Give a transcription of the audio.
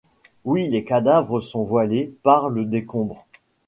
Oui, les cadavres sont voilés parles décombres ;